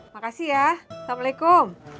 makasih ya assalamualaikum